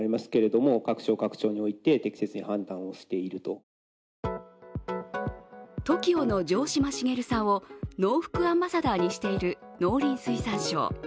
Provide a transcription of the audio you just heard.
昨日、国会ではＴＯＫＩＯの城島茂さんをノウフクアンバサダーにしている農林水産省。